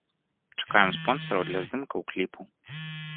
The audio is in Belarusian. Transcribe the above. Чакаем спонсараў для здымкаў кліпу!